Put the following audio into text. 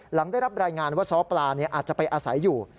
หลังได้รับรายงานว่าซ้อปลาอาจจะไปอาศัยอยู่